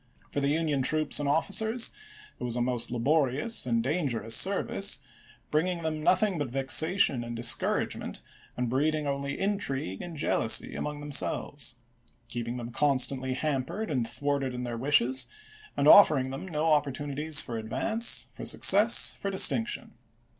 For the Union troops and officers it MISSOURI GUERRILLAS AND POLITICS 383 was a most laborious and dangerous service, bring ch. xviii. ing them nothing but vexation and discouragement and breeding only intrigue and jealousy among themselves 5 keeping them constantly hampered and thwarted in their wishes, and offering them no opportunities for advance, for success, for distinc tion.